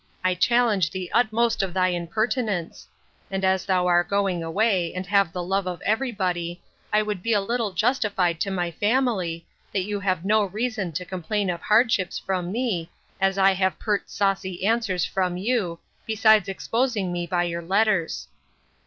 I challenge the utmost of thy impertinence: and as you are going away, and have the love of every body, I would be a little justified to my family, that you have no reason to complain of hardships from me, as I have pert saucy answers from you, besides exposing me by your letters.